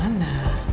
ada yang dia